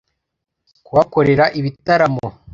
kuhakorera ibitaramo